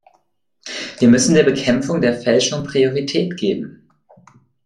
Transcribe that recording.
Wir müssen der Bekämpfung der Fälschung Priorität geben.